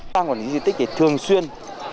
ban quản lý di tích thường xuyên